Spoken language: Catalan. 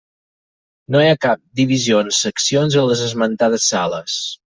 No hi ha cap divisió en seccions en les esmentades sales.